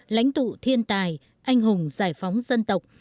lãnh tụ thiên tài anh hùng giải phóng dân tộc